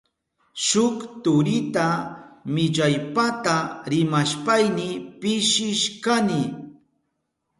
Shuk turita millaypata rimashpayni pishishkani.